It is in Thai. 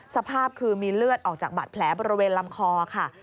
สภาพคือมีเลือดออกจากบาดแผลบริเวณลำคอค่ะ